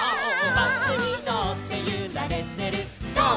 「バスにのってゆられてるゴー！